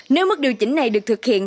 nếu mức điều chỉnh này được thực hiện